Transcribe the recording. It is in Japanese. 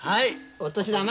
お年玉。